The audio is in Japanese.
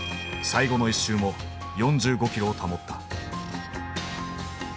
最後の１周も４５キロを保った。